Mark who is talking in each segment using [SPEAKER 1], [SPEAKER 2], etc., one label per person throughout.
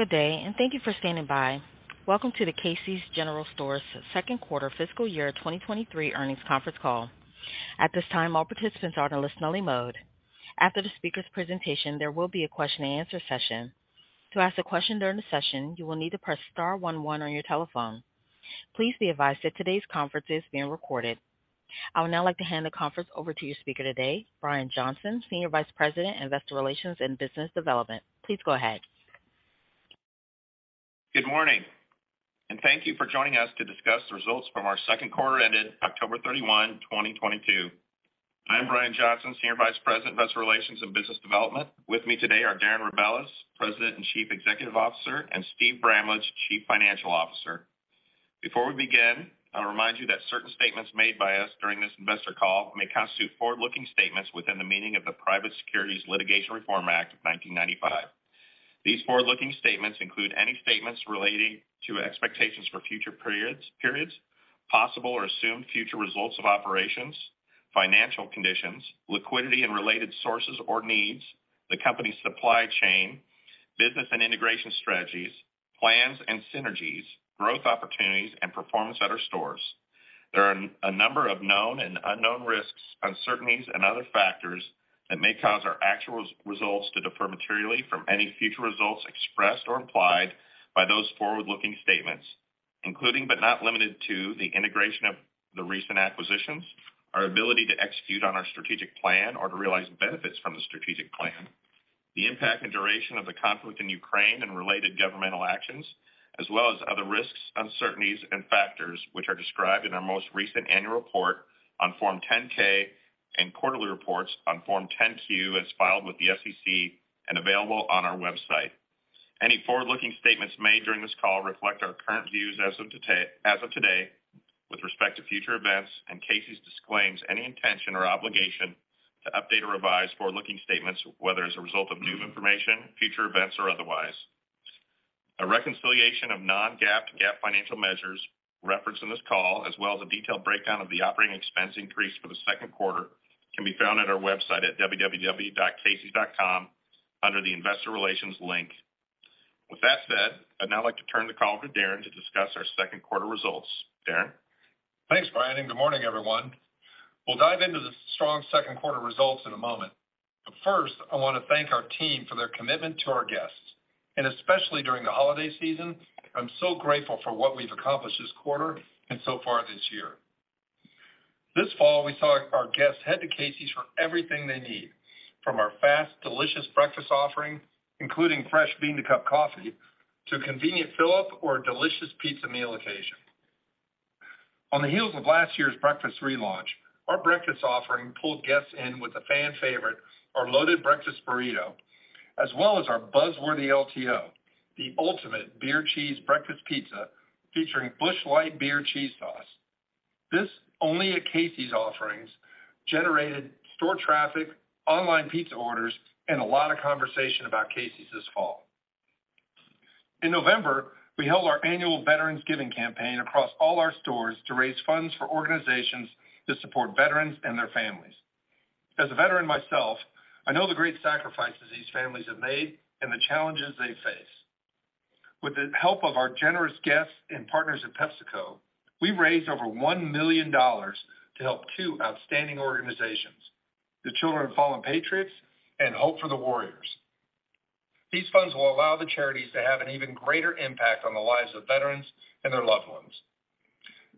[SPEAKER 1] Good day, and thank you for standing by. Welcome to the Casey's General Stores second quarter fiscal year 2023 earnings conference call. At this time, all participants are in a listen-only mode. After the speaker's presentation, there will be a question-and-answer session. To ask a question during the session, you will need to press star one one on your telephone. Please be advised that today's conference is being recorded. I would now like to hand the conference over to your speaker today, Brian Johnson, Senior Vice President, Investor Relations and Business Development. Please go ahead.
[SPEAKER 2] Good morning, and thank you for joining us to discuss the results from our second quarter ended October 31st, 2022. I'm Brian Johnson, Senior Vice President, Investor Relations and Business Development. With me today are Darren Rebelez, President and Chief Executive Officer, and Stephen Bramlage, Chief Financial Officer. Before we begin, I'll remind you that certain statements made by us during this investor call may constitute forward-looking statements within the meaning of the Private Securities Litigation Reform Act of 1995. These forward-looking statements include any statements relating to expectations for future periods, possible or assumed future results of operations, financial conditions, liquidity and related sources or needs, the company's supply chain, business and integration strategies, plans and synergies, growth opportunities and performance at our stores. There are a number of known and unknown risks, uncertainties and other factors that may cause our actual results to differ materially from any future results expressed or implied by those forward-looking statements, including, but not limited to, the integration of the recent acquisitions, our ability to execute on our strategic plan or to realize benefits from the strategic plan, the impact and duration of the conflict in Ukraine and related governmental actions, as well as other risks, uncertainties, and factors which are described in our most recent annual report on Form 10-K and quarterly reports on Form 10-Q, as filed with the SEC and available on our website. Any forward-looking statements made during this call reflect our current views as of today with respect to future events, and Casey's disclaims any intention or obligation to update or revise forward-looking statements, whether as a result of new information, future events or otherwise. A reconciliation of Non-GAAP to GAAP financial measures referenced in this call, as well as a detailed breakdown of the operating expense increase for the second quarter, can be found at our website at www.caseys.com under the Investor Relations link. With that said, I'd now like to turn the call over to Darren to discuss our second quarter results. Darren?
[SPEAKER 3] Thanks, Brian. Good morning, everyone. We'll dive into the strong second quarter results in a moment. First, I want to thank our team for their commitment to our guests, and especially during the holiday season, I'm so grateful for what we've accomplished this quarter and so far this year. This fall, we saw our guests head to Casey's for everything they need, from our fast, delicious breakfast offering, including fresh bean to cup coffee, to a convenient fill-up or a delicious pizza meal occasion. On the heels of last year's breakfast relaunch, our breakfast offering pulled guests in with a fan favorite, our loaded breakfast burrito, as well as our buzz-worthy LTO, the ultimate beer cheese breakfast pizza featuring Busch Light beer cheese sauce. This only at Casey's offerings generated store traffic, online pizza orders, and a lot of conversation about Casey's this fall. In November, we held our annual Veterans Giving Campaign across all our stores to raise funds for organizations to support veterans and their families. As a veteran myself, I know the great sacrifices these families have made and the challenges they face. With the help of our generous guests and partners at PepsiCo, we raised over $1 million to help two outstanding organizations, the Children of Fallen Patriots and Hope for the Warriors. These funds will allow the charities to have an even greater impact on the lives of veterans and their loved ones.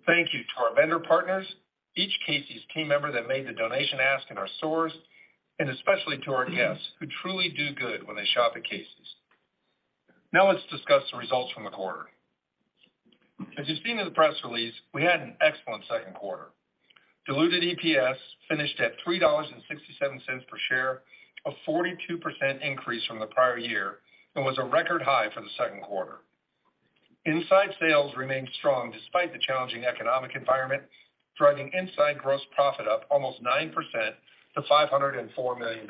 [SPEAKER 3] Thank you to our vendor partners, each Casey's team member that made the donation ask in our stores, and especially to our guests who truly do good when they shop at Casey's. Let's discuss the results from the quarter. As you've seen in the press release, we had an excellent second quarter. Diluted EPS finished at $3.67 per share, a 42% increase from the prior year, and was a record high for the second quarter. Inside sales remained strong despite the challenging economic environment, driving inside gross profit up almost 9% to $504 million.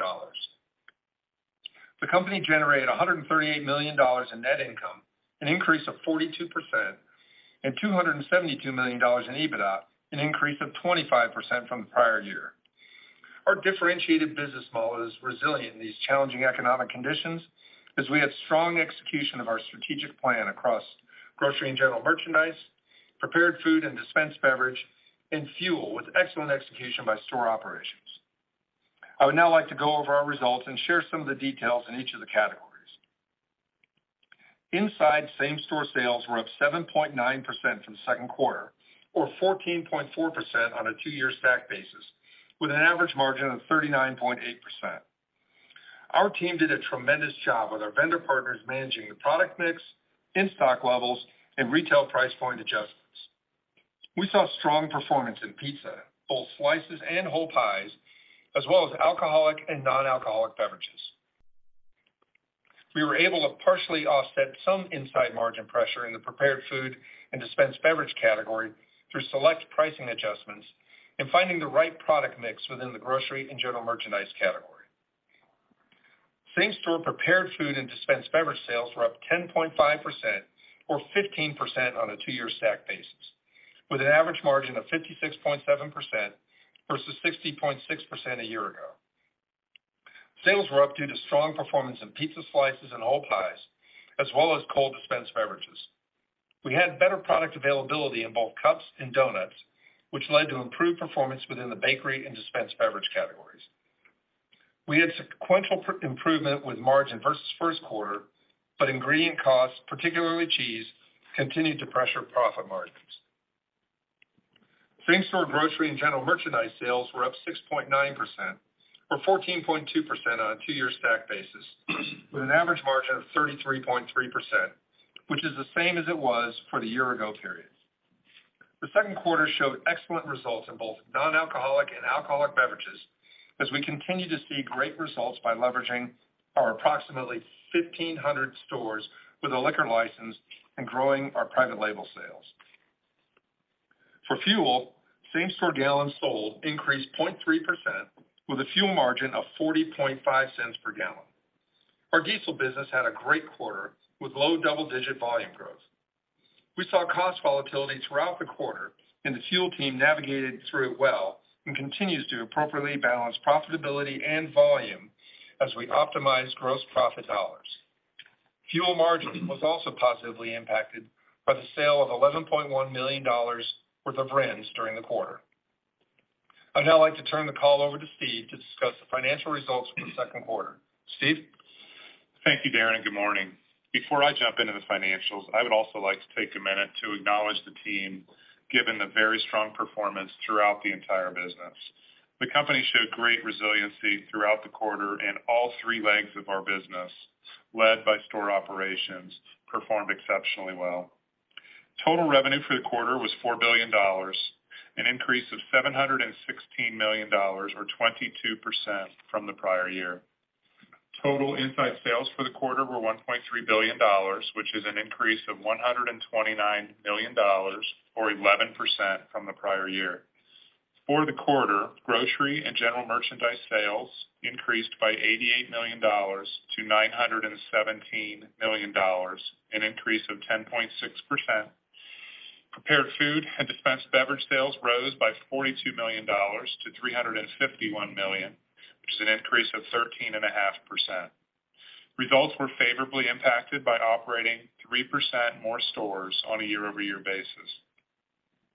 [SPEAKER 3] The company generated $138 million in net income, an increase of 42%, and $272 million in EBITDA, an increase of 25% from the prior year. Our differentiated business model is resilient in these challenging economic conditions, as we had strong execution of our strategic plan across grocery and general merchandise, prepared food and dispense beverage, and fuel, with excellent execution by store operations. I would now like to go over our results and share some of the details in each of the categories. Inside same-store sales were up 7.9% from the second quarter or 14.4% on a two-year stack basis, with an average margin of 39.8%. Our team did a tremendous job with our vendor partners managing the product mix, in-stock levels, and retail price point adjustments. We saw strong performance in pizza, both slices and whole pies, as well as alcoholic and non-alcoholic beverages. We were able to partially offset some inside margin pressure in the prepared food and dispense beverage category through select pricing adjustments and finding the right product mix within the grocery and general merchandise category. Same-store prepared food and dispense beverage sales were up 10.5% or 15% on a two-year stack basis, with an average margin of 56.7% versus 60.6% a year ago. Sales were up due to strong performance in pizza slices and whole pies, as well as cold dispensed beverages. We had better product availability in both cups and donuts, which led to improved performance within the bakery and dispensed beverage categories. We had sequential improvement with margin versus first quarter, ingredient costs, particularly cheese, continued to pressure profit margins. Same store grocery and general merchandise sales were up 6.9%, or 14.2% on a two-year stack basis, with an average margin of 33.3%, which is the same as it was for the year ago period. The second quarter showed excellent results in both non-alcoholic and alcoholic beverages as we continue to see great results by leveraging our approximately 1,500 stores with a liquor license and growing our private label sales. For fuel, same store gallons sold increased 0.3% with a fuel margin of $0.405 per gallon. Our diesel business had a great quarter with low double-digit volume growth. We saw cost volatility throughout the quarter, the fuel team navigated through it well and continues to appropriately balance profitability and volume as we optimize gross profit dollars. Fuel margin was also positively impacted by the sale of $11.1 million worth of RINs during the quarter. I'd now like to turn the call over to Steve to discuss the financial results for the second quarter. Steve?
[SPEAKER 4] Thank you, Darren. Good morning. Before I jump into the financials, I would also like to take a minute to acknowledge the team, given the very strong performance throughout the entire business. The company showed great resiliency throughout the quarter, and all three legs of our business, led by store operations, performed exceptionally well. Total revenue for the quarter was $4 billion, an increase of $716 million or 22% from the prior year. Total inside sales for the quarter were $1.3 billion, which is an increase of $129 million or 11% from the prior year. For the quarter, grocery and general merchandise sales increased by $88 million to $917 million, an increase of 10.6%. Prepared food and dispensed beverage sales rose by $42 million-$351 million, which is an increase of 13.5%. Results were favorably impacted by operating 3% more stores on a year-over-year basis.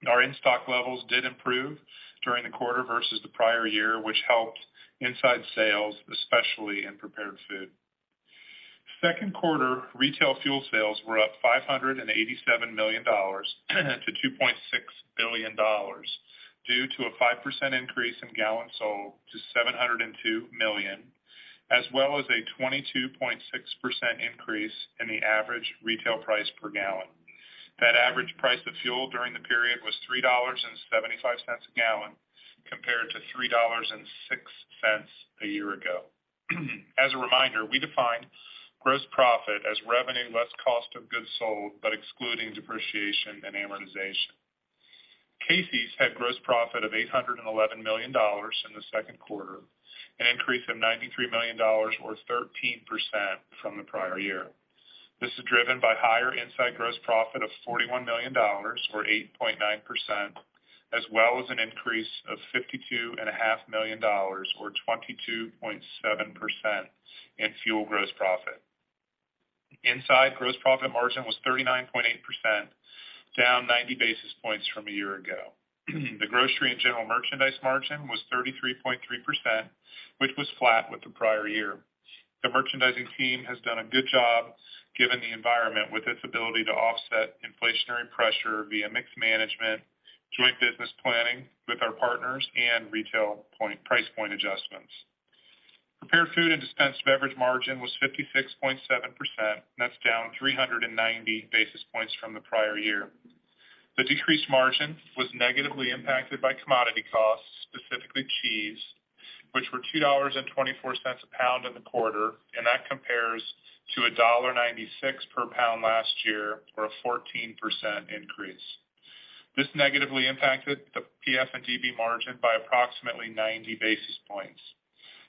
[SPEAKER 4] Our in-stock levels did improve during the quarter versus the prior year, which helped inside sales, especially in prepared food. Second quarter retail fuel sales were up $587 million-$2.6 billion due to a 5% increase in gallons sold to 702 million, as well as a 22.6% increase in the average retail price per gallon. That average price of fuel during the period was $3.75 a gallon, compared to $3.06 a year ago. As a reminder, we define gross profit as revenue less cost of goods sold, but excluding depreciation and amortization. Casey's had gross profit of $811 million in the second quarter, an increase of $93 million or 13% from the prior year. This is driven by higher inside gross profit of $41 million or 8.9%, as well as an increase of fifty-two and a half million dollars or 22.7% in fuel gross profit. Inside gross profit margin was 39.8%, down 90 basis points from a year ago. The grocery and general merchandise margin was 33.3%, which was flat with the prior year. The merchandising team has done a good job given the environment with its ability to offset inflationary pressure via mixed management, joint business planning with our partners, and retail price point adjustments. Prepared food and dispensed beverage margin was 56.7%. That's down 390 basis points from the prior year. The decreased margin was negatively impacted by commodity costs, specifically cheese, which were $2.24 a pound in the quarter, and that compares to $1.96 per pound last year or a 14% increase. This negatively impacted the PF&DB margin by approximately 90 basis points.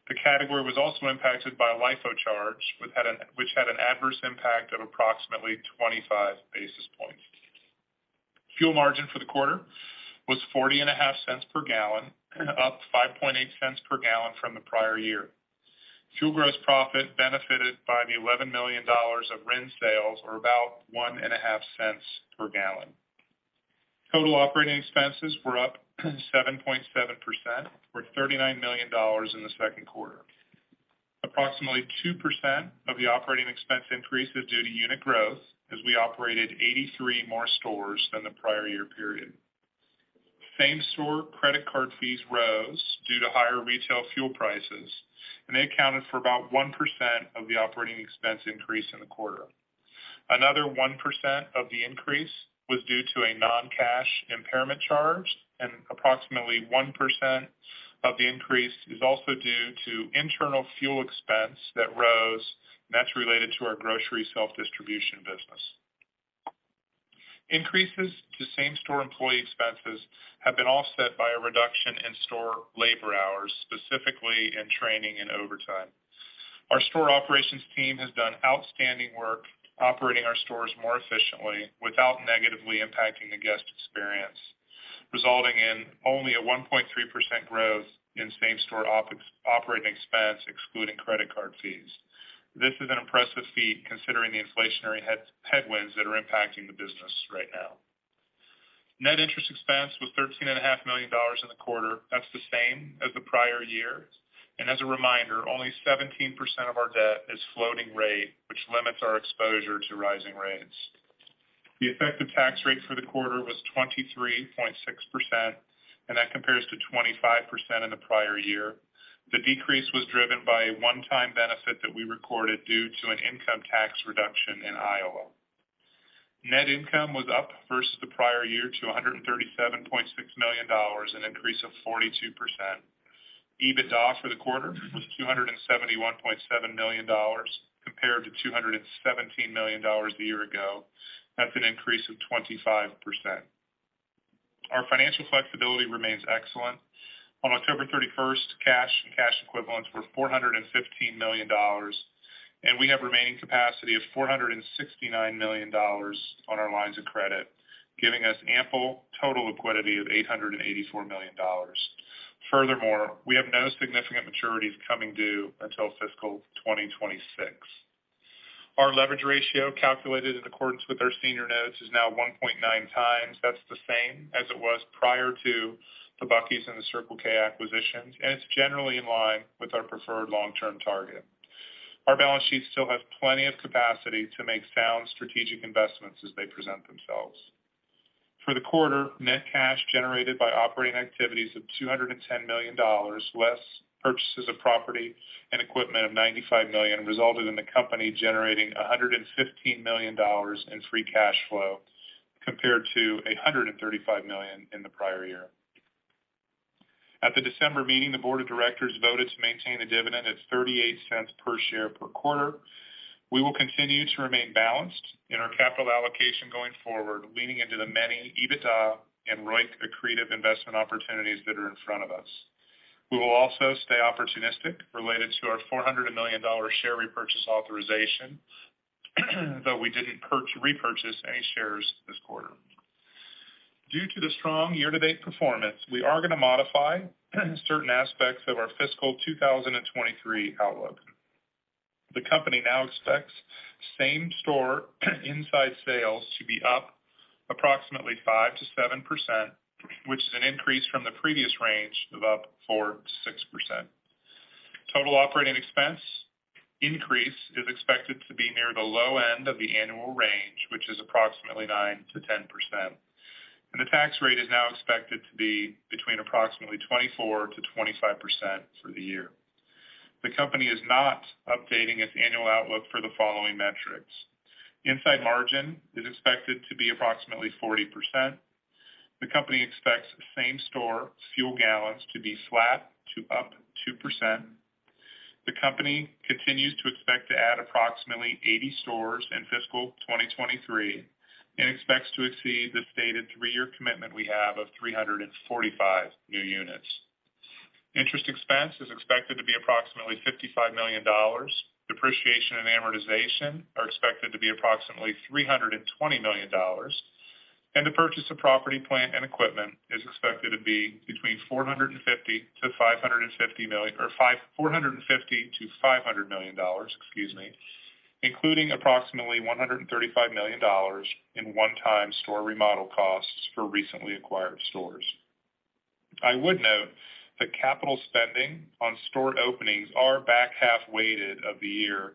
[SPEAKER 4] The category was also impacted by a LIFO charge which had an adverse impact of approximately 25 basis points. Fuel margin for the quarter was $0.405 per gallon, up $0.508 per gallon from the prior year. Fuel gross profit benefited by the $11 million of RIN sales or about $0.015 per gallon. Total operating expenses were up 7.7% or $39 million in the second quarter. Approximately 2% of the operating expense increase is due to unit growth as we operated 83 more stores than the prior year period. Same store credit card fees rose due to higher retail fuel prices, they accounted for about 1% of the operating expense increase in the quarter. Another 1% of the increase was due to a non-cash impairment charge, approximately 1% of the increase is also due to internal fuel expense that rose, that's related to our grocery self-distribution business. Increases to same-store employee expenses have been offset by a reduction in store labor hours, specifically in training and overtime. Our store operations team has done outstanding work operating our stores more efficiently without negatively impacting the guest experience, resulting in only a 1.3% growth in same-store operating expense, excluding credit card fees. This is an impressive feat considering the inflationary headwinds that are impacting the business right now. Net interest expense was thirteen and a half million dollars in the quarter. That's the same as the prior year. As a reminder, only 17% of our debt is floating rate, which limits our exposure to rising rates. The effective tax rate for the quarter was 23.6%, and that compares to 25% in the prior year. The decrease was driven by a one-time benefit that we recorded due to an income tax reduction in Iowa. Net income was up versus the prior year to $137.6 million, an increase of 42%. EBITDA for the quarter was $271.7 million compared to $217 million a year ago. That's an increase of 25%. Our financial flexibility remains excellent. On October 31st, cash and cash equivalents were $415 million, and we have remaining capacity of $469 million on our lines of credit, giving us ample total liquidity of $884 million. Furthermore, we have no significant maturities coming due until fiscal 2026. Our leverage ratio, calculated in accordance with our senior notes, is now 1.9x. That's the same as it was prior to the Bucky's and the Circle K acquisitions, and it's generally in line with our preferred long-term target. Our balance sheets still have plenty of capacity to make sound strategic investments as they present themselves. For the quarter, net cash generated by operating activities of $210 million, less purchases of property and equipment of $95 million, resulted in the company generating $115 million in free cash flow, compared to $135 million in the prior year. At the December meeting, the board of directors voted to maintain a dividend at $0.38 per share per quarter. We will continue to remain balanced in our capital allocation going forward, leaning into the many EBITDA and ROIC accretive investment opportunities that are in front of us. We will also stay opportunistic related to our $400 million share repurchase authorization, though we didn't repurchase any shares this quarter. Due to the strong year-to-date performance, we are gonna modify certain aspects of our fiscal 2023 outlook. The company now expects same-store inside sales to be up approximately 5%-7%, which is an increase from the previous range of up 4%-6%. Total operating expense increase is expected to be near the low end of the annual range, which is approximately 9%-10%. The tax rate is now expected to be between approximately 24%-25% for the year. The company is not updating its annual outlook for the following metrics. Inside margin is expected to be approximately 40%. The company expects same-store fuel gallons to be flat to up 2%. The company continues to expect to add approximately 80 stores in fiscal 2023 and expects to exceed the stated three-year commitment we have of 345 new units. Interest expense is expected to be approximately $55 million. Depreciation and amortization are expected to be approximately $320 million. The purchase of property, plant, and equipment is expected to be between $450 million-$500 million, excuse me, including approximately $135 million in one-time store remodel costs for recently acquired stores. I would note that capital spending on store openings are back half-weighted of the year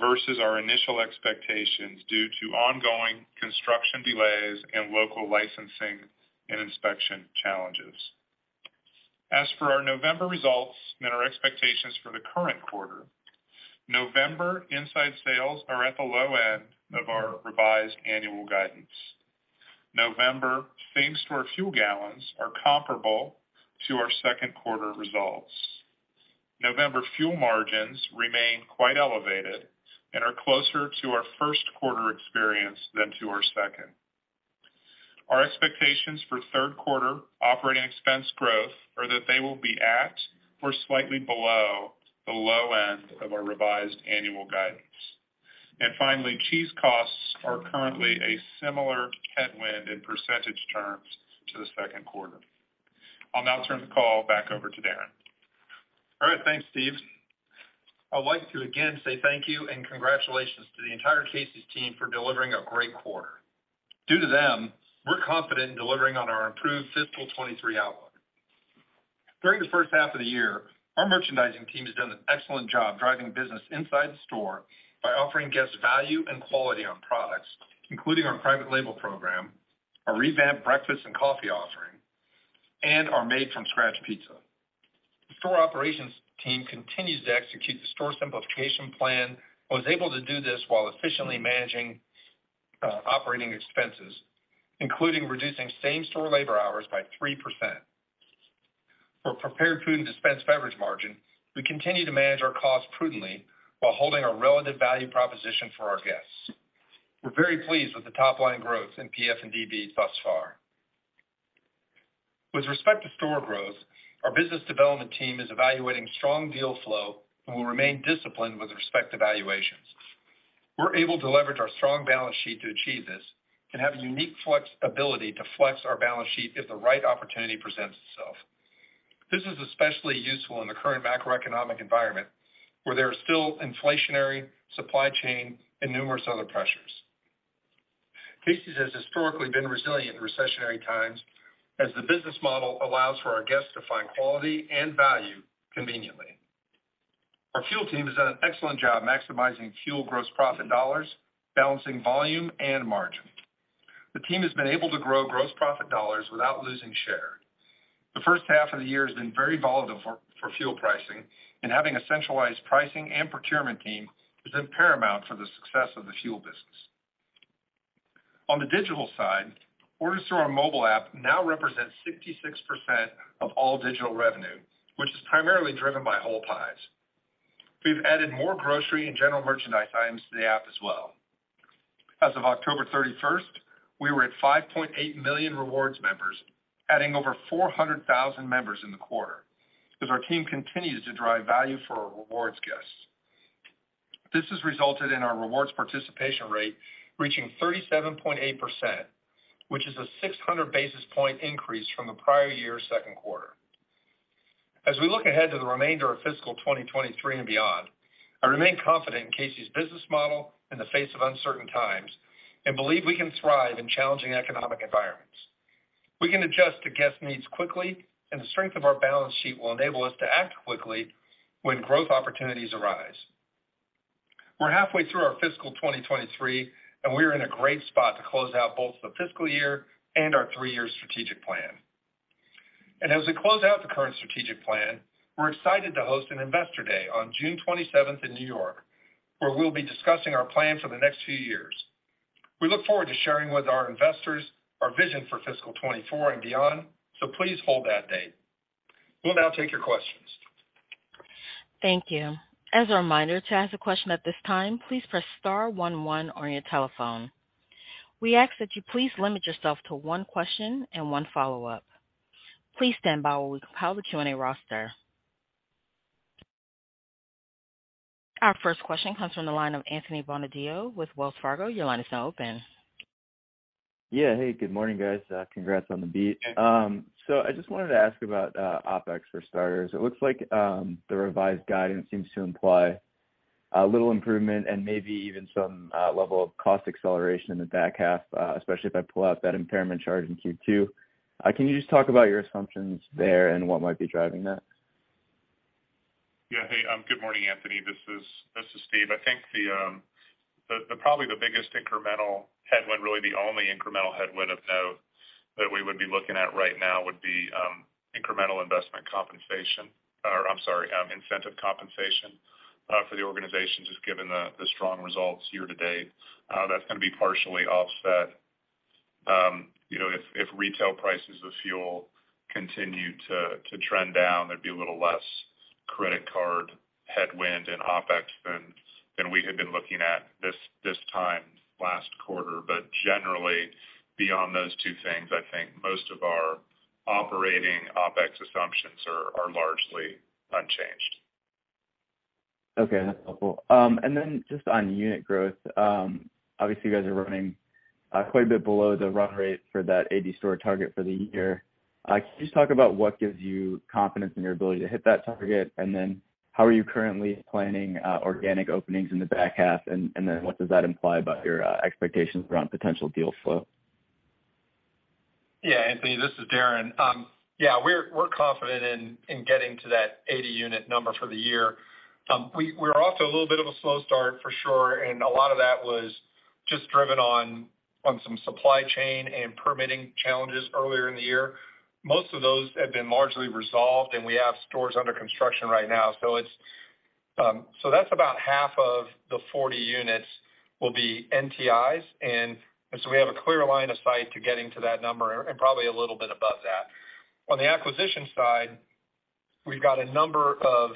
[SPEAKER 4] versus our initial expectations due to ongoing construction delays and local licensing and inspection challenges. As for our November results and our expectations for the current quarter, November inside sales are at the low end of our revised annual guidance. November same-store fuel gallons are comparable to our second quarter results. November fuel margins remain quite elevated and are closer to our first quarter experience than to our second. Our expectations for third quarter operating expense growth are that they will be at or slightly below the low end of our revised annual guidance. Finally, cheese costs are currently a similar headwind in % terms to the second quarter. I'll now turn the call back over to Darren.
[SPEAKER 3] All right. Thanks, Steve. I'd like to again say thank you and congratulations to the entire Casey's team for delivering a great quarter. Due to them, we're confident in delivering on our improved fiscal 23 outlook. During the first half of the year, our merchandising team has done an excellent job driving business inside the store by offering guests value and quality on products, including our private label program, our revamped breakfast and coffee offering, and our made-from-scratch pizza. The store operations team continues to execute the store simplification plan, and was able to do this while efficiently managing operating expenses, including reducing same-store labor hours by 3%. For prepared food and dispensed beverage margin, we continue to manage our costs prudently while holding a relative value proposition for our guests. We're very pleased with the top line growth in PF&DB thus far. With respect to store growth, our business development team is evaluating strong deal flow and will remain disciplined with respect to valuations. We're able to leverage our strong balance sheet to achieve this and have a unique flexibility to flex our balance sheet if the right opportunity presents itself. This is especially useful in the current macroeconomic environment, where there are still inflationary supply chain and numerous other pressures. Casey's has historically been resilient in recessionary times as the business model allows for our guests to find quality and value conveniently. Our fuel team has done an excellent job maximizing fuel gross profit dollars, balancing volume and margin. The team has been able to grow gross profit dollars without losing share. The first half of the year has been very volatile for fuel pricing, having a centralized pricing and procurement team has been paramount for the success of the fuel business. On the digital side, orders through our mobile app now represent 66% of all digital revenue, which is primarily driven by whole pies. We've added more grocery and general merchandise items to the app as well. As of October 31st, we were at 5.8 million rewards members, adding over 400,000 members in the quarter as our team continues to drive value for our rewards guests. This has resulted in our rewards participation rate reaching 37.8%, which is a 600 basis point increase from the prior year's second quarter. As we look ahead to the remainder of fiscal 2023 and beyond, I remain confident in Casey's business model in the face of uncertain times and believe we can thrive in challenging economic environments. We can adjust to guest needs quickly, the strength of our balance sheet will enable us to act quickly when growth opportunities arise. We're halfway through our fiscal 2023, we are in a great spot to close out both the fiscal year and our three-year strategic plan. As we close out the current strategic plan, we're excited to host an Investor Day on June 27th in New York, where we'll be discussing our plan for the next few years. We look forward to sharing with our investors our vision for fiscal 2024 and beyond, please hold that date. We'll now take your questions.
[SPEAKER 1] Thank you. As a reminder, to ask a question at this time, please press star one one on your telephone. We ask that you please limit yourself to one question and one follow-up. Please stand by while we compile the Q&A roster. Our first question comes from the line of Anthony Bonadio with Wells Fargo. Your line is now open.
[SPEAKER 5] Yeah. Hey, good morning, guys. Congrats on the beat. I just wanted to ask about OpEx for starters. It looks like the revised guidance seems to imply a little improvement and maybe even some level of cost acceleration in the back half, especially if I pull out that impairment charge in Q2. Can you just talk about your assumptions there and what might be driving that?
[SPEAKER 4] Hey, good morning, Anthony. This is Steve. I think the probably the biggest incremental headwind, really the only incremental headwind of note that we would be looking at right now would be incremental investment compensation or, I'm sorry, incentive compensation for the organization, just given the strong results year to date. That's gonna be partially offset. You know, if retail prices of fuel continue to trend down, there'd be a little less credit card headwind and OpEx than we had been looking at this time last quarter. Generally, beyond those two things, I think most of our operating OpEx assumptions are largely unchanged.
[SPEAKER 5] Okay, that's helpful. Just on unit growth, obviously, you guys are running quite a bit below the run rate for that 80-store target for the year. Can you just talk about what gives you confidence in your ability to hit that target? How are you currently planning organic openings in the back half? What does that imply about your expectations around potential deal flow?
[SPEAKER 3] Yeah, Anthony, this is Darren. Yeah, we're confident in getting to that 80-unit number for the year. We're off to a little bit of a slow start, for sure, and a lot of that was just driven on some supply chain and permitting challenges earlier in the year. Most of those have been largely resolved, and we have stores under construction right now. That's about half of the 40 units will be NTIs, and so we have a clear line of sight to getting to that number and probably a little bit above that. On the acquisition side, we've got a number of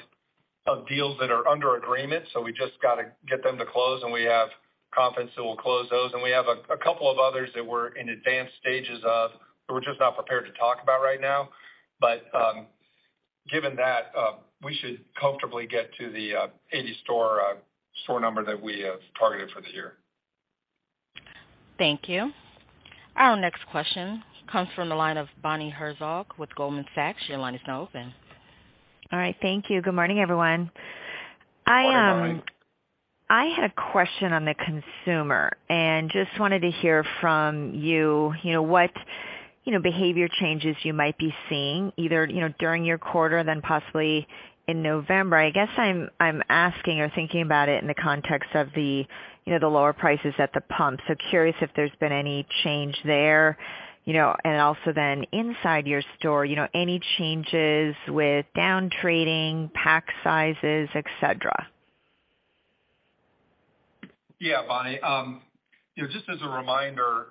[SPEAKER 3] deals that are under agreement, so we just gotta get them to close, and we have confidence that we'll close those. We have a couple of others that we're in advanced stages of that we're just not prepared to talk about right now. Given that, we should comfortably get to the 80 store number that we have targeted for the year.
[SPEAKER 1] Thank you. Our next question comes from the line of Bonnie Herzog with Goldman Sachs. Your line is now open.
[SPEAKER 6] All right. Thank you. Good morning, everyone.
[SPEAKER 3] Good morning, Bonnie.
[SPEAKER 6] I had a question on the consumer and just wanted to hear from you know, what, you know, behavior changes you might be seeing either, you know, during your quarter then possibly in November. I guess I'm asking or thinking about it in the context of the, you know, the lower prices at the pump. Curious if there's been any change there, you know. Also then inside your store, you know, any changes with down trading, pack sizes, et cetera.
[SPEAKER 3] Yeah, Bonnie. you know, just as a reminder,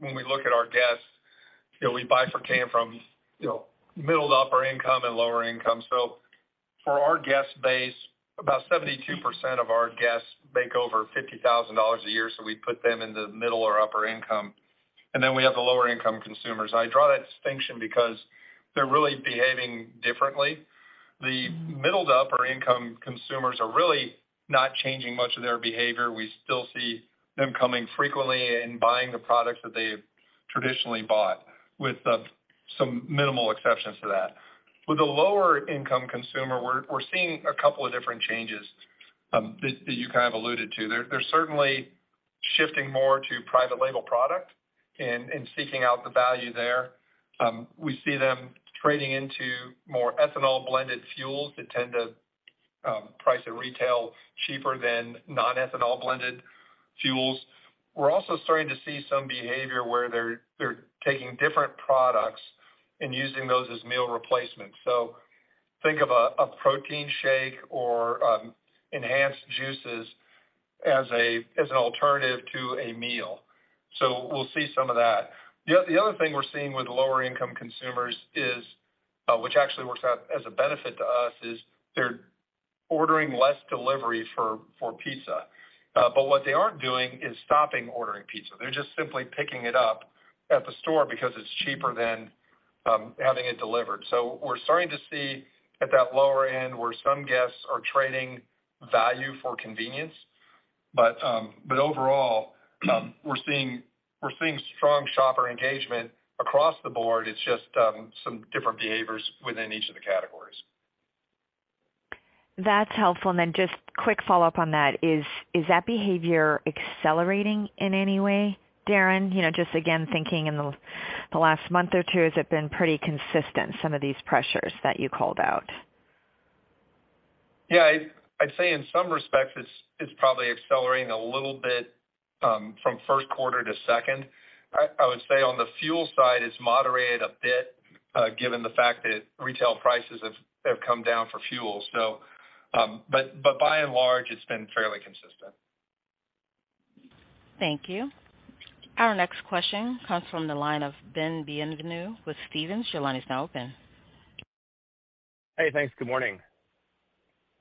[SPEAKER 3] when we look at our guests, you know, we bifurcate from, you know, middle to upper income and lower income. For our guest base, about 72% of our guests make over $50,000 a year, so we put them into middle or upper income, and then we have the lower income consumers. I draw that distinction because they're really behaving differently. The middle to upper income consumers are really not changing much of their behavior. We still see them coming frequently and buying the products that they traditionally bought with some minimal exceptions to that. With the lower income consumer, we're seeing a couple of different changes that you kind of alluded to. They're certainly shifting more to private label product and seeking out the value there. We see them trading into more ethanol-blended fuels that tend to price at retail cheaper than non-ethanol-blended fuels. We're also starting to see some behavior where they're taking different products and using those as meal replacements. Think of a protein shake or enhanced juices as an alternative to a meal. We'll see some of that. The other thing we're seeing with lower income consumers is, which actually works out as a benefit to us, is they're ordering less delivery for pizza. What they aren't doing is stopping ordering pizza. They're just simply picking it up at the store because it's cheaper than having it delivered. We're starting to see at that lower end where some guests are trading value for convenience. Overall, we're seeing strong shopper engagement across the board. It's just, some different behaviors within each of the categories.
[SPEAKER 6] That's helpful. Then just quick follow-up on that. Is that behavior accelerating in any way, Darren? You know, just again, thinking in the last month or two, has it been pretty consistent, some of these pressures that you called out?
[SPEAKER 3] Yeah. I'd say in some respects, it's probably accelerating a little bit, from first quarter to second. I would say on the fuel side, it's moderated a bit, given the fact that retail prices have come down for fuel. But by and large, it's been fairly consistent.
[SPEAKER 1] Thank you. Our next question comes from the line of Ben Bienvenu with Stephens. Your line is now open.
[SPEAKER 7] Hey, thanks. Good morning.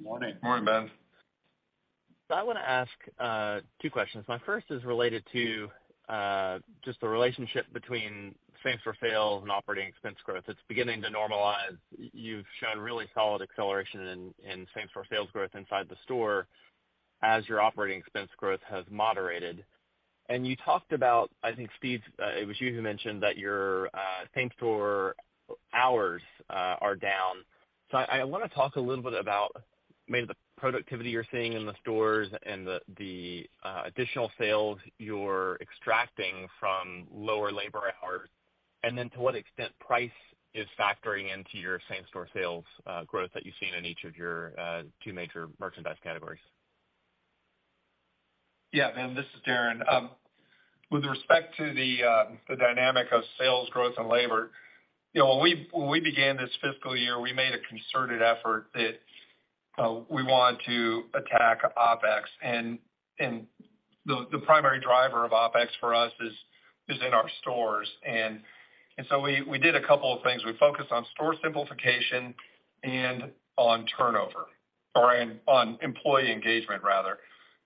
[SPEAKER 3] Morning.
[SPEAKER 4] Morning, Ben.
[SPEAKER 7] I wanna ask two questions. My first is related to just the relationship between same store sales and operating expense growth. It's beginning to normalize. You've shown really solid acceleration in same store sales growth inside the store as your operating expense growth has moderated. You talked about, I think, Steve, it was you who mentioned that your same store hours are down. I wanna talk a little bit about maybe the productivity you're seeing in the stores and the additional sales you're extracting from lower labor hours, and then to what extent price is factoring into your same store sales growth that you've seen in each of your two major merchandise categories.
[SPEAKER 3] Yeah, Ben, this is Darren. With respect to the dynamic of sales growth and labor, you know, when we began this fiscal year, we made a concerted effort that we wanted to attack OpEx. The primary driver of OpEx for us is in our stores. So we did a couple of things. We focused on store simplification and on turnover, or on employee engagement rather,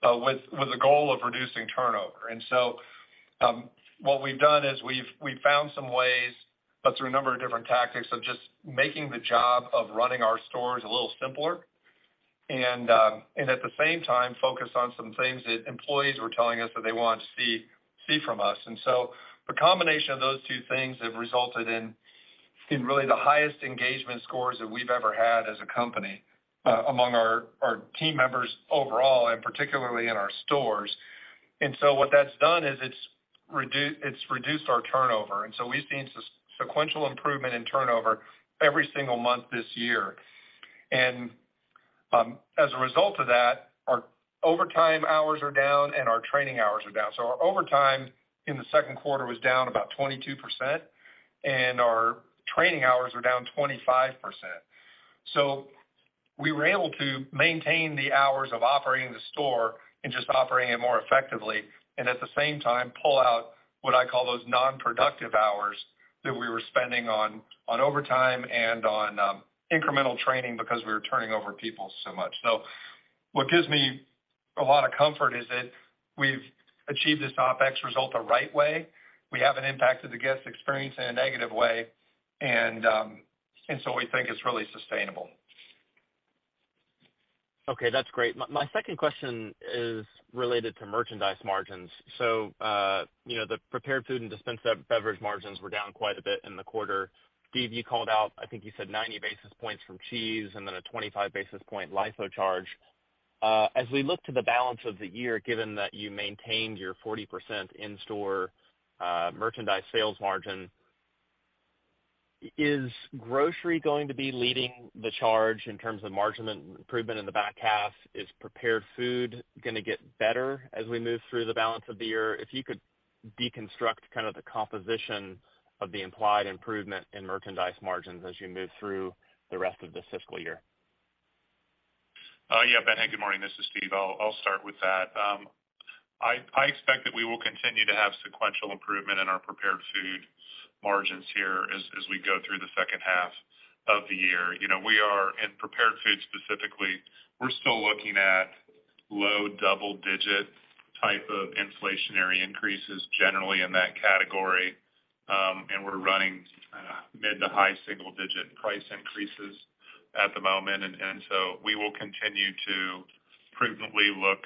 [SPEAKER 3] with the goal of reducing turnover. What we've done is we've found some ways through a number of different tactics of just making the job of running our stores a little simpler and at the same time, focus on some things that employees were telling us that they wanted to see from us. The combination of those two things have resulted in really the highest engagement scores that we've ever had as a company, among our team members overall, and particularly in our stores. What that's done is it's reduced our turnover, and so we've seen sequential improvement in turnover every single month this year. As a result of that, our overtime hours are down and our training hours are down. Our overtime in the second quarter was down about 22%, and our training hours are down 25%. We were able to maintain the hours of operating the store and just operating it more effectively, and at the same time, pull out what I call those non-productive hours that we were spending on overtime and on incremental training because we were turning over people so much. What gives me a lot of comfort is that we've achieved this OpEx result the right way. We haven't impacted the guest experience in a negative way. We think it's really sustainable.
[SPEAKER 7] Okay. That's great. My second question is related to merchandise margins. You know, the prepared food and dispense beverage margins were down quite a bit in the quarter. Steve, you called out, I think you said 90 basis points from cheese and then a 25 basis point LIFO charge. As we look to the balance of the year, given that you maintained your 40% in store merchandise sales margin, is grocery going to be leading the charge in terms of margin improvement in the back half? Is prepared food gonna get better as we move through the balance of the year? If you could deconstruct kind of the composition of the implied improvement in merchandise margins as you move through the rest of this fiscal year.
[SPEAKER 4] Yeah, Ben, hey, good morning, this is Steve. I'll start with that. I expect that we will continue to have sequential improvement in our prepared food margins here as we go through the second half of the year. You know, in prepared food specifically, we're still looking at low double-digit type of inflationary increases generally in that category. We're running mid to high single digit price increases at the moment. So we will continue to prudently look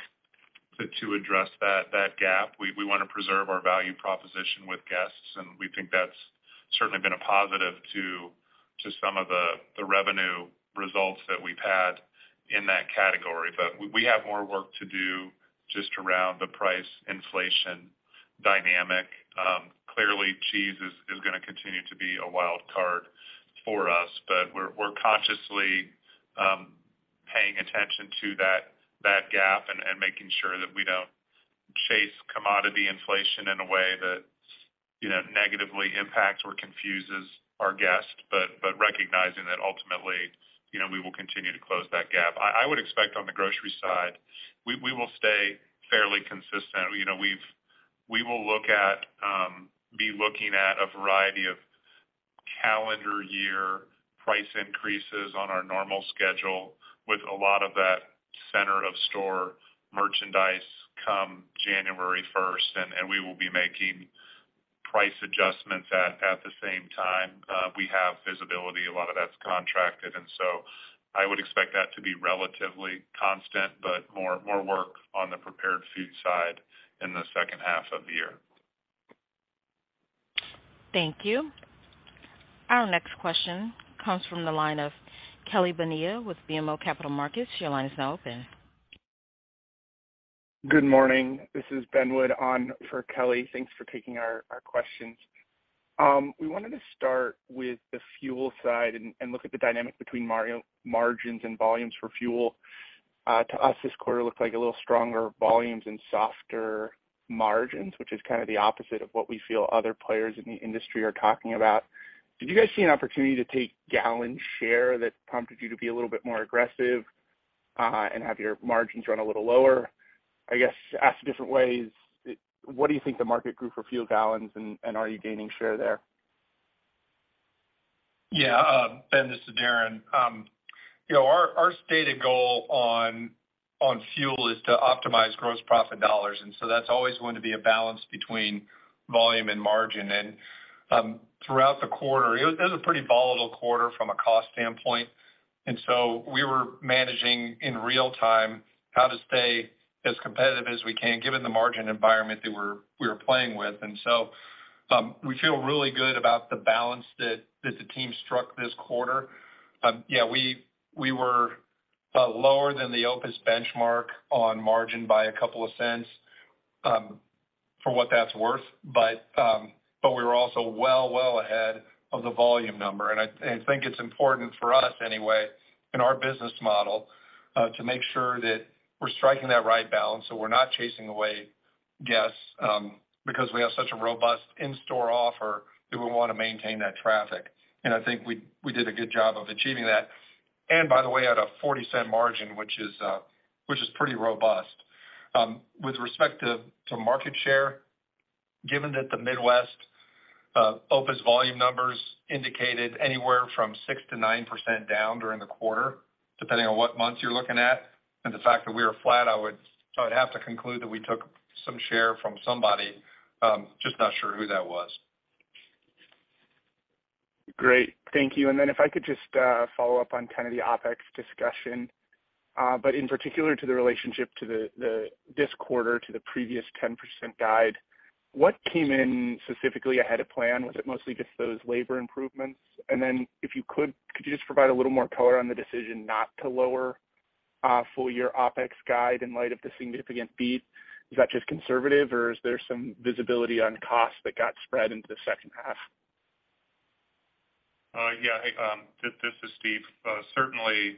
[SPEAKER 4] to address that gap. We wanna preserve our value proposition with guests, and we think that's certainly been a positive to some of the revenue results that we've had in that category. We have more work to do just around the price inflation dynamic. Clearly, cheese is gonna continue to be a wild card for us, but we're consciously paying attention to that gap and making sure that we don't chase commodity inflation in a way that, you know, negatively impacts or confuses our guests. Recognizing that ultimately, you know, we will continue to close that gap. I would expect on the grocery side, we will stay fairly consistent. You know, we will look at, be looking at a variety of calendar year price increases on our normal schedule with a lot of that center-of-store merchandise come January 1st, and we will be making price adjustments at the same time. We have visibility, a lot of that's contracted. I would expect that to be relatively constant, but more work on the prepared food side in the second half of the year.
[SPEAKER 1] Thank you. Our next question comes from the line of Kelly Bania with BMO Capital Markets. Your line is now open.
[SPEAKER 8] Good morning. This is Ben Wood on for Kelly. Thanks for taking our questions. We wanted to start with the fuel side and look at the dynamic between margins and volumes for fuel. To us, this quarter looked like a little stronger volumes and softer margins, which is kind of the opposite of what we feel other players in the industry are talking about. Did you guys see an opportunity to take gallon share that prompted you to be a little bit more aggressive and have your margins run a little lower? I guess asked different ways, what do you think the market grew for fuel gallons, and are you gaining share there?
[SPEAKER 3] Yeah. Ben, this is Darren. You know, our stated goal on fuel is to optimize gross profit dollars, and so that's always going to be a balance between volume and margin. Throughout the quarter, it was a pretty volatile quarter from a cost standpoint, and so we were managing in real time how to stay as competitive as we can, given the margin environment that we're playing with. We feel really good about the balance that the team struck this quarter. Yeah, we were lower than the OPIS benchmark on margin by $0.02 for what that's worth. We were also well ahead of the volume number. I think it's important for us anyway in our business model, to make sure that we're striking that right balance so we're not chasing away guests, because we have such a robust in-store offer that we wanna maintain that traffic. I think we did a good job of achieving that. By the way, at a $0.40 margin, which is pretty robust. With respect to market share, given that the Midwest, OPIS volume numbers indicated anywhere from 6%-9% down during the quarter, depending on what months you're looking at, and the fact that we are flat, I would have to conclude that we took some share from somebody. Just not sure who that was.
[SPEAKER 8] Great. Thank you. If I could just follow up on kind of the OpEx discussion. In particular to the relationship to this quarter to the previous 10% guide, what came in specifically ahead of plan? Was it mostly just those labor improvements? If you could just provide a little more color on the decision not to lower full year OpEx guide in light of the significant beat? Is that just conservative or is there some visibility on costs that got spread into the second half?
[SPEAKER 4] This is Stephen Bramlage. Certainly,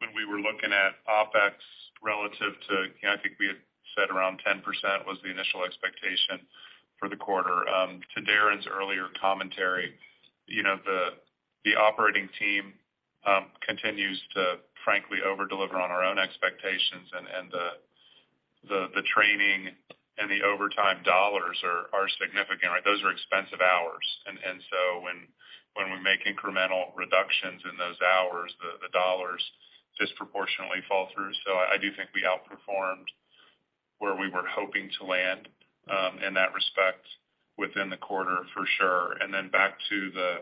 [SPEAKER 4] when we were looking at OpEx relative to, you know, I think we had said around 10% was the initial expectation for the quarter. To Darren Rebelez's earlier commentary, you know, the operating team continues to frankly over-deliver on our own expectations and the training and the overtime dollars are significant, right? Those are expensive hours. So when we make incremental reductions in those hours, the dollars disproportionately fall through. I do think we outperformed where we were hoping to land in that respect within the quarter for sure. Back to the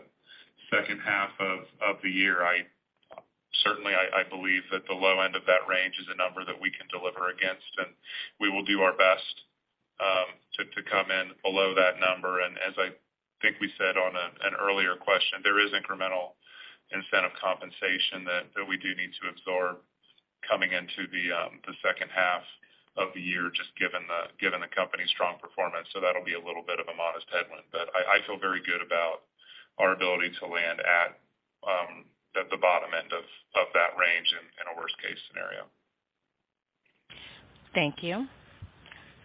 [SPEAKER 4] second half of the year. I certainly believe that the low end of that range is a number that we can deliver against, and we will do our best to come in below that number. As I think we said on an earlier question, there is incremental incentive compensation that we do need to absorb coming into the second half of the year, just given the company's strong performance. That'll be a little bit of a modest headwind. I feel very good about our ability to land at the bottom end of that range in a worst-case scenario.
[SPEAKER 1] Thank you.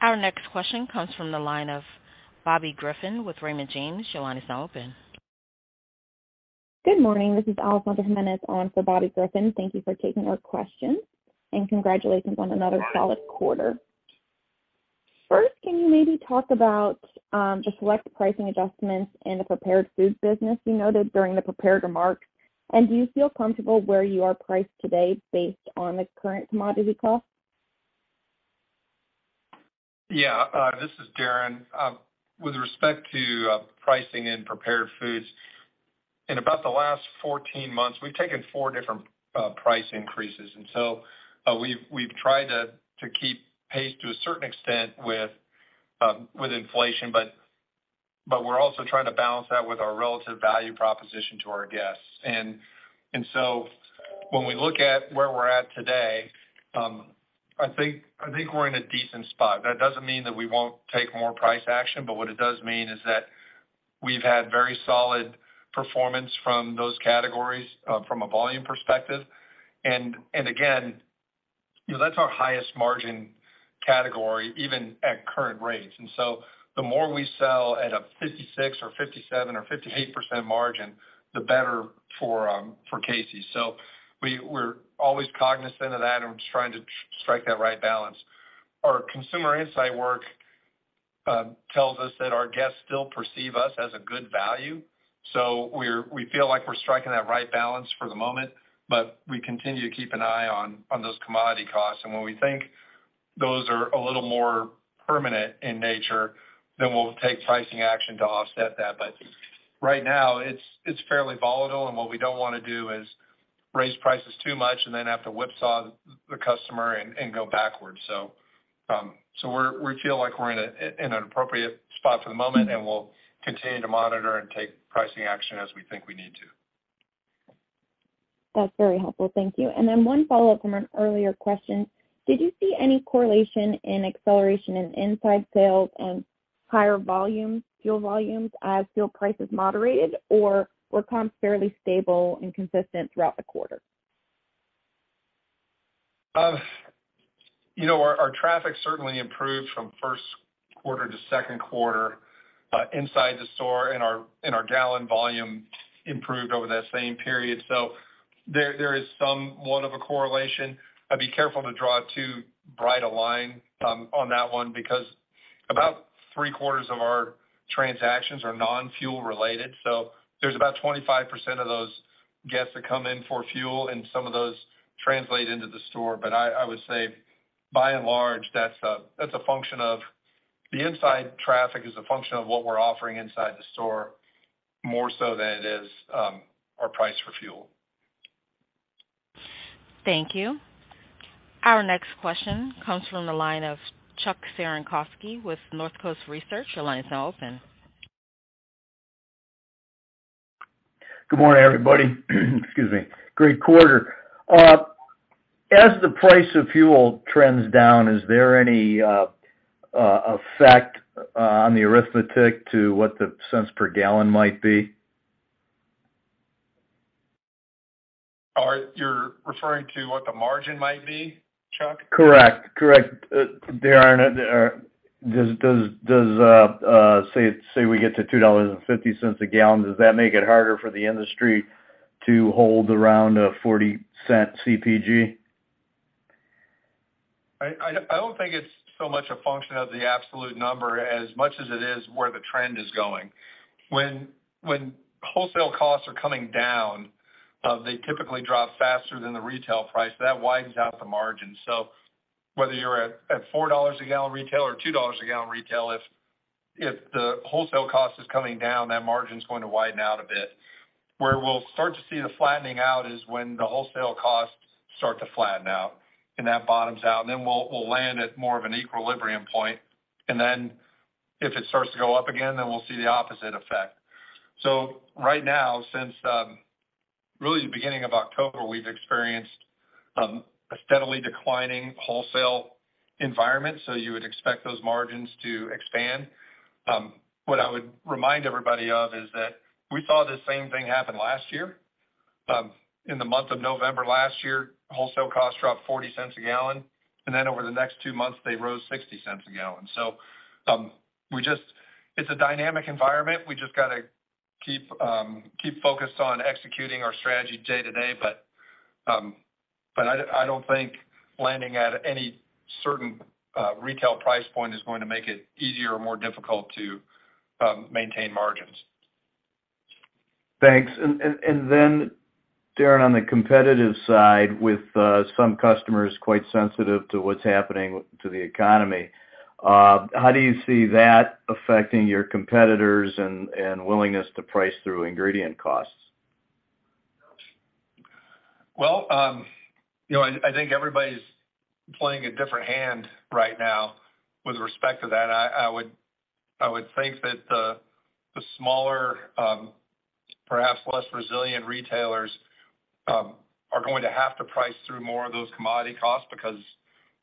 [SPEAKER 1] Our next question comes from the line of Bobby Griffin with Raymond James. Your line is now open.
[SPEAKER 9] Good morning. This is Alessandra Jimenez on for Bobby Griffin. Thank you for taking our questions, and congratulations on another solid quarter. First, can you maybe talk about the select pricing adjustments in the prepared food business you noted during the prepared remarks? Do you feel comfortable where you are priced today based on the current commodity costs?
[SPEAKER 3] Yeah. This is Darren. With respect to pricing in prepared foods, in about the last 14 months, we've taken four different price increases. We've tried to keep pace to a certain extent with inflation, but we're also trying to balance that with our relative value proposition to our guests. When we look at where we're at today, I think we're in a decent spot. That doesn't mean that we won't take more price action, but what it does mean is that we've had very solid performance from those categories, from a volume perspective. Again, you know, that's our highest margin category, even at current rates. The more we sell at a 56% or 57% or 58% margin, the better for Casey's. We're always cognizant of that and just trying to strike that right balance. Our consumer insight work, tells us that our guests still perceive us as a good value, we feel like we're striking that right balance for the moment, but we continue to keep an eye on those commodity costs. When we think those are a little more permanent in nature, then we'll take pricing action to offset that. Right now, it's fairly volatile, and what we don't wanna do is raise prices too much and then have to whipsaw the customer and go backwards. We feel like we're in an appropriate spot for the moment, and we'll continue to monitor and take pricing action as we think we need to.
[SPEAKER 9] That's very helpful. Thank you. One follow-up from an earlier question. Did you see any correlation in acceleration in inside sales and higher volumes, fuel volumes as fuel prices moderated, or were comps fairly stable and consistent throughout the quarter?
[SPEAKER 3] You know, our traffic certainly improved from first quarter to second quarter, inside the store, and our, and our gallon volume improved over that same period. There, there is somewhat of a correlation. I'd be careful to draw too bright a line on that one because about three-quarters of our transactions are non-fuel related. There's about 25% of those guests that come in for fuel and some of those translate into the store. I would say by and large, that's a, that's a function of the inside traffic is a function of what we're offering inside the store more so than it is, our price for fuel.
[SPEAKER 1] Thank you. Our next question comes from the line of Chuck Cerankosky with Northcoast Research. Your line is now open.
[SPEAKER 10] Good morning, everybody. Excuse me. Great quarter. As the price of fuel trends down, is there any effect on the arithmetic to what the cents per gallon might be?
[SPEAKER 3] You're referring to what the margin might be, Chuck?
[SPEAKER 10] Correct. Darren. Does say we get to $2.50 a gallon, does that make it harder for the industry to hold around a $0.40 CPG?
[SPEAKER 3] I don't think it's so much a function of the absolute number as much as it is where the trend is going. When wholesale costs are coming down, they typically drop faster than the retail price. That widens out the margin. Whether you're at $4 a gallon retail or $2 a gallon retail, if the wholesale cost is coming down, that margin's going to widen out a bit. Where we'll start to see the flattening out is when the wholesale costs start to flatten out and that bottoms out, and then we'll land at more of an equilibrium point. If it starts to go up again, then we'll see the opposite effect. Right now, since really the beginning of October, we've experienced a steadily declining wholesale environment, so you would expect those margins to expand. What I would remind everybody of is that we saw the same thing happen last year. In the month of November last year, wholesale costs dropped $0.40 a gallon. Over the next two months, they rose $0.60 a gallon. It's a dynamic environment. We just gotta keep focused on executing our strategy day to day. I don't think landing at any certain retail price point is going to make it easier or more difficult to maintain margins.
[SPEAKER 10] Thanks. Darren, on the competitive side, with some customers quite sensitive to what's happening to the economy, how do you see that affecting your competitors and willingness to price through ingredient costs?
[SPEAKER 3] Well, you know, I think everybody's playing a different hand right now with respect to that. I would think that the smaller, perhaps less resilient retailers, are going to have to price through more of those commodity costs because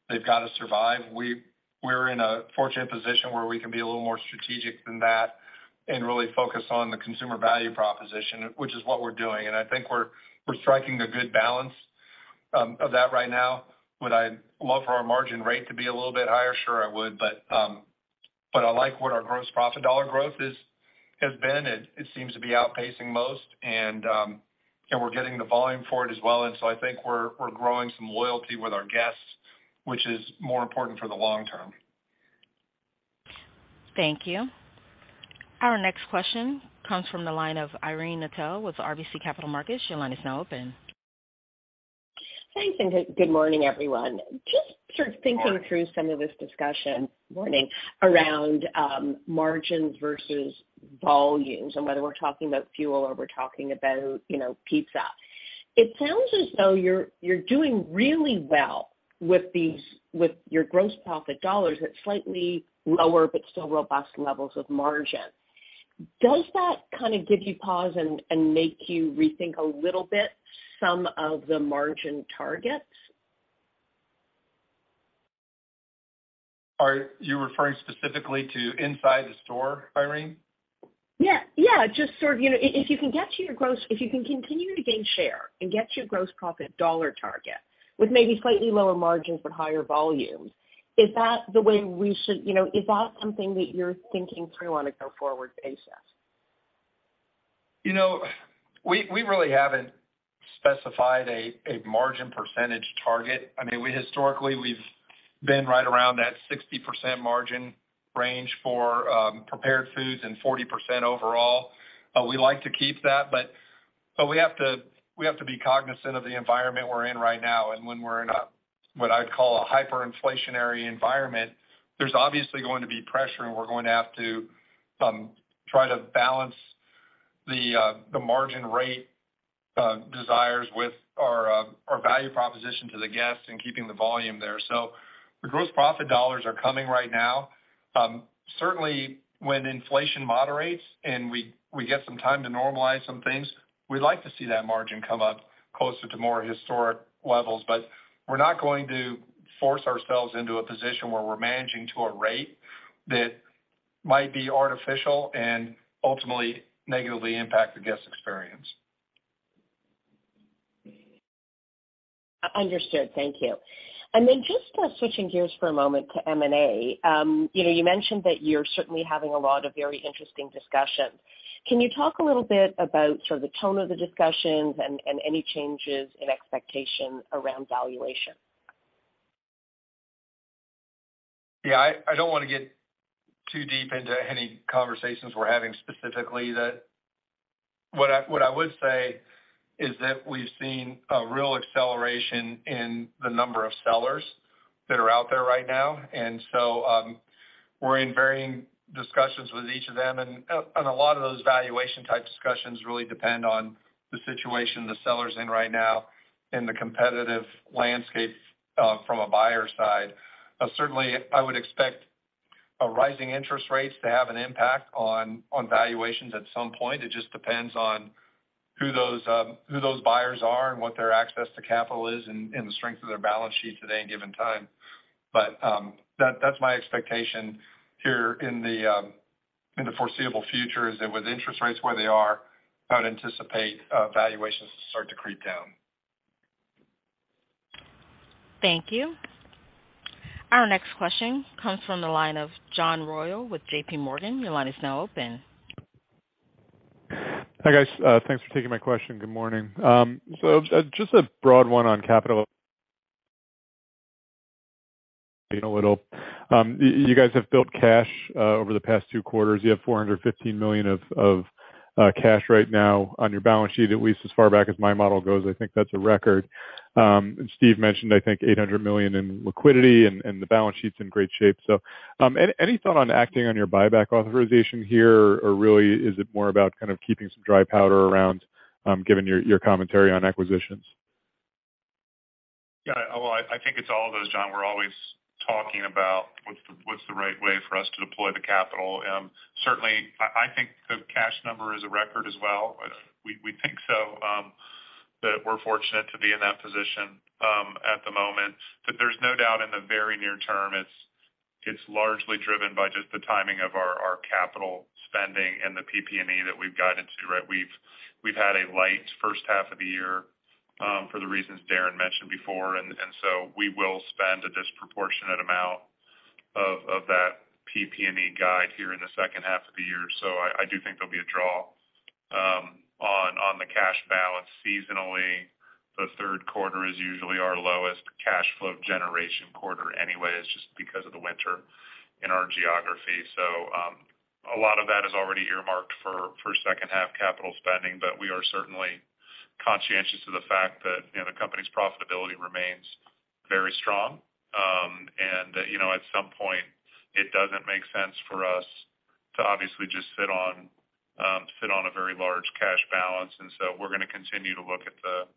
[SPEAKER 3] they've got to survive. We're in a fortunate position where we can be a little more strategic than that. Really focus on the consumer value proposition, which is what we're doing. I think we're striking a good balance of that right now. Would I love for our margin rate to be a little bit higher? Sure, I would. I like what our gross profit dollar growth is, has been. It seems to be outpacing most and we're getting the volume for it as well. I think we're growing some loyalty with our guests, which is more important for the long term.
[SPEAKER 1] Thank you. Our next question comes from the line of Irene Nattel with RBC Capital Markets. Your line is now open.
[SPEAKER 11] Thanks, good morning, everyone. Just sort of thinking through some of this discussion, morning, around margins versus volumes, whether we're talking about fuel or we're talking about, you know, pizza. It sounds as though you're doing really well with your gross profit dollars at slightly lower but still robust levels of margin. Does that kind of give you pause and make you rethink a little bit some of the margin targets?
[SPEAKER 3] Are you referring specifically to inside the store, Irene?
[SPEAKER 11] Yeah, yeah. Just sort of, you know, if you can continue to gain share and get to your gross profit dollar target with maybe slightly lower margins but higher volumes, is that the way we should... You know, is that something that you're thinking through on a go-forward basis?
[SPEAKER 3] You know, we really haven't specified a margin percentage target. I mean, we historically we've been right around that 60% margin range for prepared foods and 40% overall. We like to keep that, but we have to be cognizant of the environment we're in right now. When we're in a, what I'd call a hyperinflationary environment, there's obviously going to be pressure, and we're going to have to try to balance the margin rate desires with our value proposition to the guests and keeping the volume there. The gross profit dollars are coming right now. Certainly when inflation moderates and we get some time to normalize some things, we'd like to see that margin come up closer to more historic levels. we're not going to force ourselves into a position where we're managing to a rate that might be artificial and ultimately negatively impact the guest experience.
[SPEAKER 11] Understood. Thank you. Switching gears for a moment to M&A. You know, you mentioned that you're certainly having a lot of very interesting discussions. Can you talk a little bit about sort of the tone of the discussions and any changes in expectation around valuation?
[SPEAKER 3] Yeah. I don't want to get too deep into any conversations we're having specifically that. What I would say is that we've seen a real acceleration in the number of sellers that are out there right now. We're in varying discussions with each of them. A lot of those valuation type discussions really depend on the situation the seller's in right now and the competitive landscape from a buyer side. Certainly I would expect rising interest rates to have an impact on valuations at some point. It just depends on who those buyers are and what their access to capital is and the strength of their balance sheet today and given time. That, that's my expectation here in the foreseeable future, is that with interest rates where they are, I would anticipate valuations to start to creep down.
[SPEAKER 1] Thank you. Our next question comes from the line of John Royall with JPMorgan. Your line is now open.
[SPEAKER 4] Hi, guys. Thanks for taking my question. Good morning. Just a broad one on capital a little. You guys have built cash over the past two quarters. You have $415 million of cash right now on your balance sheet, at least as far back as my model goes. I think that's a record. Steve mentioned, I think, $800 million in liquidity and the balance sheet's in great shape. Any thought on acting on your buyback authorization here, or really is it more about kind of keeping some dry powder around given your commentary on acquisitions? Yeah. Well, I think it's all those, John. We're always talking about what's the right way for us to deploy the capital. Certainly I think the cash number is a record as well. We think so, that we're fortunate to be in that position at the moment. There's no doubt in the very near term, it's largely driven by just the timing of our capital spending and the PP&E that we've guided to, right? We've had a light first half of the year for the reasons Darren mentioned before, and so we will spend a disproportionate amount of that PP&E guide here in the second half of the year. I do think there'll be a draw on the cash balance seasonally. The third quarter is usually our lowest cash flow generation quarter anyway, it's just because of the winter in our geography. A lot of that is already earmarked for second half capital spending. We are certainly conscientious of the fact that, you know, the company's profitability remains very strong. And, you know, at some point it doesn't make sense for us to obviously just sit on a very large cash balance. We're gonna continue to look at the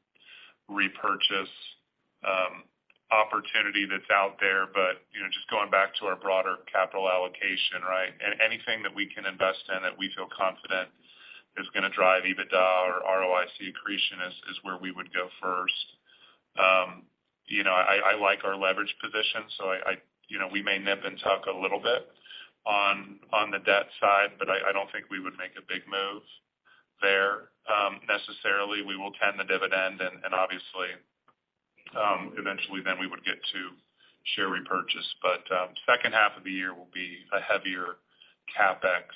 [SPEAKER 4] repurchase opportunity that's out there. You know, just going back to our broader capital allocation, right? Anything that we can invest in that we feel confident is gonna drive EBITDA or ROIC accretion is where we would go first. You know, I like our leverage position, so I, you know, we may nip and tuck a little bit on the debt side. I don't think we would make a big move there necessarily. We will tend the dividend and obviously, eventually then we would get to share repurchase. Second half of the year will be a heavier CapEx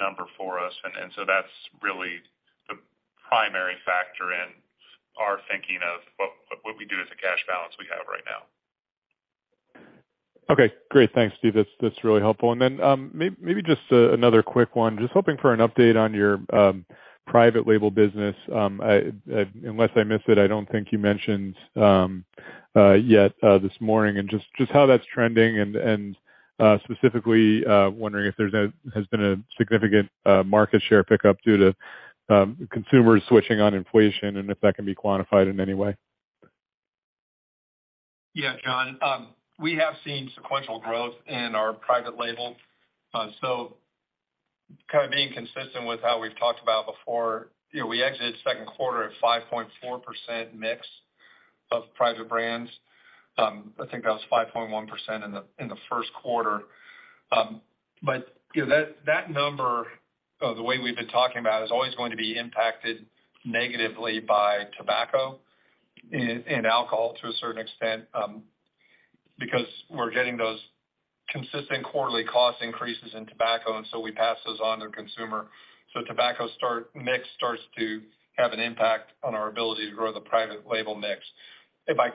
[SPEAKER 4] number for us. That's really the primary factor in our thinking of what we do as a cash balance we have right now.
[SPEAKER 12] Okay, great. Thanks, Steve. That's really helpful. Then, maybe just another quick one. Just hoping for an update on your private label business. Unless I missed it, I don't think you mentioned yet this morning and just how that's trending and specifically wondering if there's been a significant market share pickup due to consumers switching on inflation and if that can be quantified in any way.
[SPEAKER 3] Yeah, John. We have seen sequential growth in our private label. Kind of being consistent with how we've talked about before, you know, we exited second quarter at 5.4% mix of private brands. I think that was 5.1% in the, in the first quarter. You know, that number, or the way we've been talking about it, is always going to be impacted negatively by tobacco and alcohol to a certain extent, because we're getting those consistent quarterly cost increases in tobacco, and so we pass those on to the consumer. Tobacco mix starts to have an impact on our ability to grow the private label mix. If I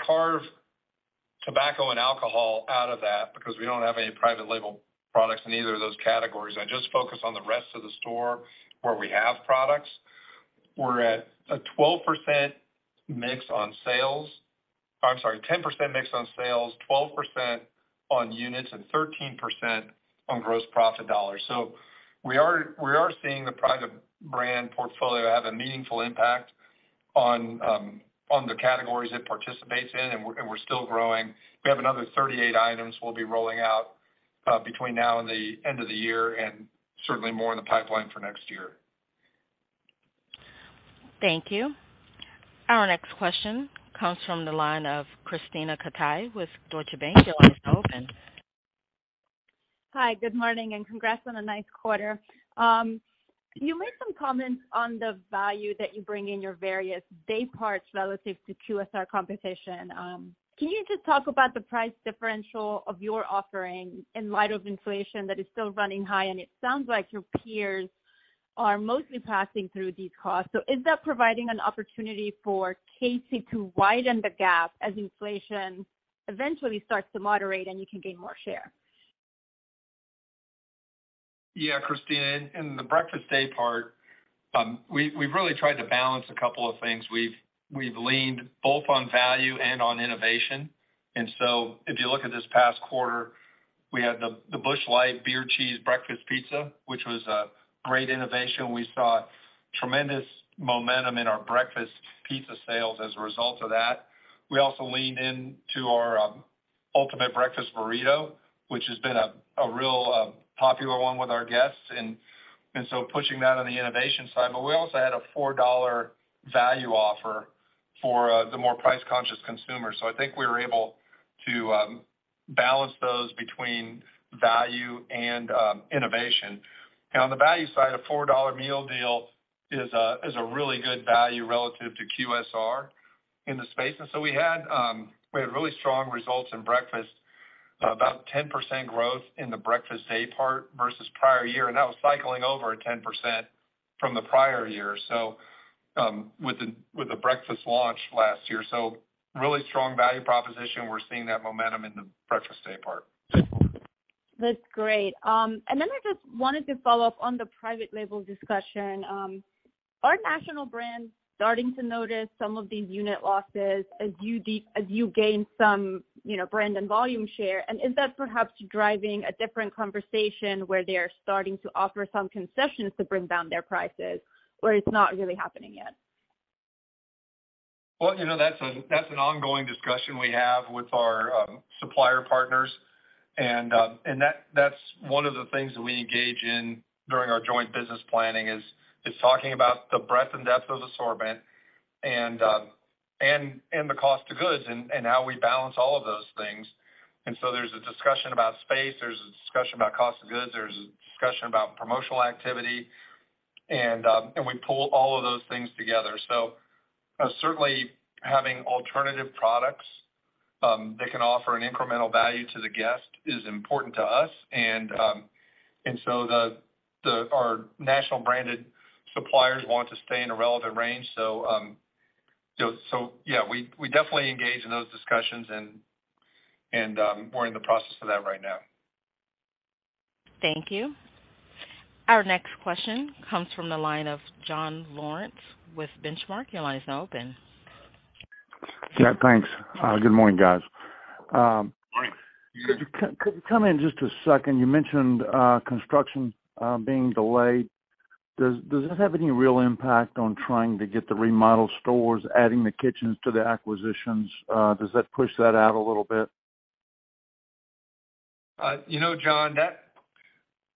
[SPEAKER 3] carve tobacco and alcohol out of that, because we don't have any private label products in either of those categories, I just focus on the rest of the store where we have products, we're at a 12% mix on sales. I'm sorry, 10% mix on sales, 12% on units, and 13% on gross profit dollars. We are seeing the private brand portfolio have a meaningful impact on the categories it participates in, and we're still growing. We have another 38 items we'll be rolling out between now and the end of the year, and certainly more in the pipeline for next year.
[SPEAKER 1] Thank you. Our next question comes from the line of Krisztina Katai with Deutsche Bank. Your line is now open.
[SPEAKER 13] Hi, good morning, and congrats on a nice quarter. You made some comments on the value that you bring in your various day parts relative to QSR competition. Can you just talk about the price differential of your offering in light of inflation that is still running high? It sounds like your peers are mostly passing through these costs. Is that providing an opportunity for Casey's to widen the gap as inflation eventually starts to moderate and you can gain more share?
[SPEAKER 3] Yeah, Krisztina. In the breakfast day part, we've really tried to balance a couple of things. We've leaned both on value and on innovation. If you look at this past quarter, we had the Busch Light Beer Cheese Breakfast Pizza, which was a great innovation. We saw tremendous momentum in our breakfast pizza sales as a result of that. We also leaned into our Ultimate Breakfast Burrito, which has been a real popular one with our guests. Pushing that on the innovation side. We also had a $4 value offer for the more price-conscious consumers. I think we were able to balance those between value and innovation. On the value side, a $4 meal deal is a really good value relative to QSR in the space. We had really strong results in breakfast, about 10% growth in the breakfast day part versus prior year, and that was cycling over at 10% from the prior year. With the breakfast launch last year. Really strong value proposition. We're seeing that momentum in the breakfast day part.
[SPEAKER 13] That's great. I just wanted to follow up on the private label discussion. Are national brands starting to notice some of these unit losses as you gain some, you know, brand and volume share? Is that perhaps driving a different conversation where they are starting to offer some concessions to bring down their prices, or it's not really happening yet?
[SPEAKER 3] Well, you know, that's an ongoing discussion we have with our supplier partners. That's one of the things that we engage in during our joint business planning, is talking about the breadth and depth of assortment and the cost of goods and how we balance all of those things. There's a discussion about space, there's a discussion about cost of goods, there's a discussion about promotional activity, and we pull all of those things together. Certainly having alternative products that can offer an incremental value to the guest is important to us. Our national branded suppliers want to stay in a relevant range. Yeah, we definitely engage in those discussions and we're in the process of that right now.
[SPEAKER 1] Thank you. Our next question comes from the line of John Lawrence with Benchmark. Your line is now open.
[SPEAKER 14] Yeah, thanks. Good morning, guys.
[SPEAKER 3] Morning.
[SPEAKER 14] Could we come in just a second? You mentioned construction being delayed. Does this have any real impact on trying to get the remodel stores, adding the kitchens to the acquisitions? Does that push that out a little bit?
[SPEAKER 3] You know, John, that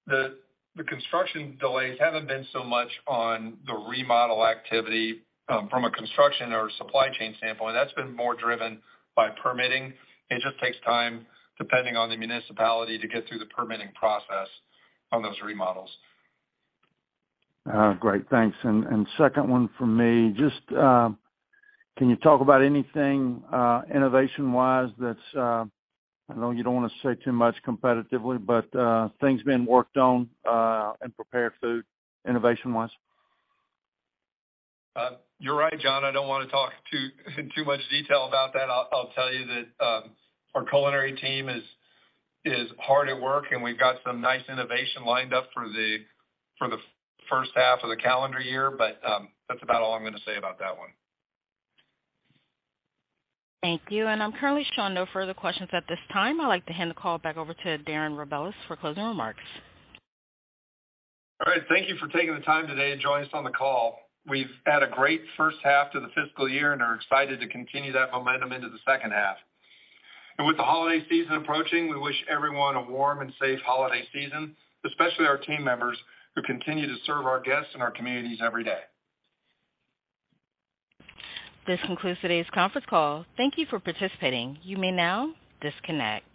[SPEAKER 3] the construction delays haven't been so much on the remodel activity, from a construction or supply chain standpoint. That's been more driven by permitting. It just takes time, depending on the municipality, to get through the permitting process on those remodels.
[SPEAKER 14] Great. Thanks. And second one from me. Just, can you talk about anything, innovation wise that's, I know you don't wanna say too much competitively, but, things being worked on, in prepared food, innovation wise?
[SPEAKER 3] You're right, John. I don't wanna talk too, in too much detail about that. I'll tell you that our culinary team is hard at work, and we've got some nice innovation lined up for the first half of the calendar year. That's about all I'm gonna say about that one.
[SPEAKER 1] Thank you. I'm currently showing no further questions at this time. I'd like to hand the call back over to Darren Rebelez for closing remarks.
[SPEAKER 3] All right. Thank you for taking the time today to join us on the call. We've had a great first half to the fiscal year and are excited to continue that momentum into the second half. With the holiday season approaching, we wish everyone a warm and safe holiday season, especially our team members who continue to serve our guests and our communities every day.
[SPEAKER 1] This concludes today's conference call. Thank you for participating. You may now disconnect.